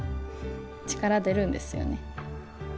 力出るんですよね